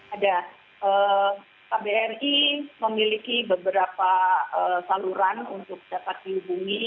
ada kbri memiliki beberapa saluran untuk dapat dihubungi